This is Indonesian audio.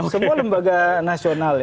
semua lembaga nasional ya